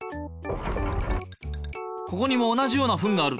ここにも同じようなフンがある。